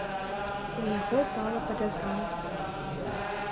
У яго пала падазронасць.